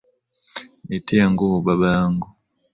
Nitie nguvu Baba yangu